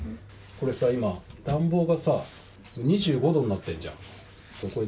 これさ、今、暖房が２５度になってるじゃん。